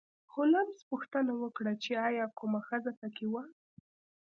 هولمز پوښتنه وکړه چې ایا کومه ښځه په کې وه